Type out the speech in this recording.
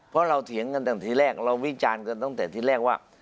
เพราะเราเถียงกันตั้งแต่ทีแรกเราวิจารณ์กันตั้งแต่ที่แรกว่า